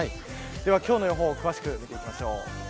では今日の予報詳しく見ていきましょう。